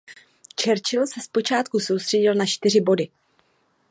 Churchill se zpočátku soustředil na čtyři body.